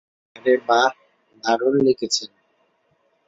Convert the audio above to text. আরে বাহ্, দারুন লিখেছেন।